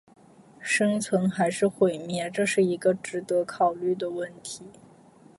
生存还是毁灭，这是一个值得考虑的问题